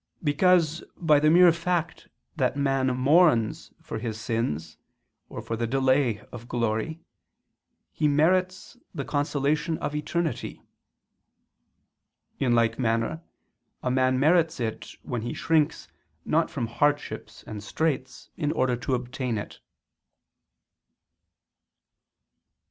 Because by the mere fact that man mourns for his sins, or for the delay of glory, he merits the consolation of eternity. In like manner a man merits it when he shrinks not from hardships and straits in order to obtain it.